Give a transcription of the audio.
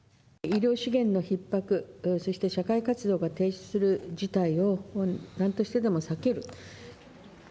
医療資源のひっ迫、そして社会活動が停止する事態をなんとしてでも避ける。